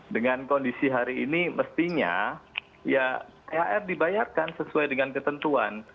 dengan kondisi hari ini mestinya ya thr dibayarkan sesuai dengan ketentuan